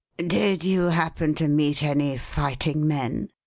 "Did you happen to meet any fighting men?"